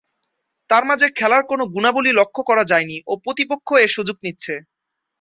তার মাঝে খেলার কোন গুণাবলী লক্ষ্য করা যায়নি ও প্রতিপক্ষ এ সুযোগ নিচ্ছে।